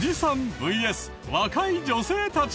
ＶＳ若い女性たち。